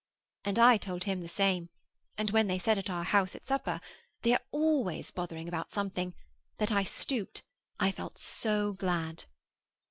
And I told him the same. And when they said at our house at supper (they are always bothering about something) that I stooped, I felt so glad!